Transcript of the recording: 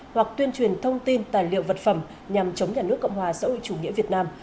hoặc tuyên truyền thông tin tài liệu vật phẩm nhằm chống nhà nước cộng hòa xã hội chủ nghĩa việt nam